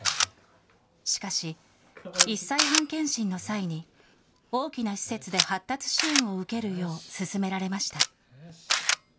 しかし、１歳半健診の際に、大きな施設で発達支援を受けるよう勧められました。